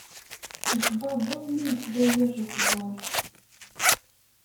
Yexbabeḍ mi yesla yir lexbaṛ!